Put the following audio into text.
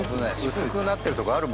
薄くなってるとこあるもんね。